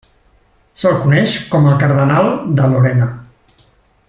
Se'l coneix com el cardenal de Lorena.